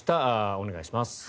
お願いします。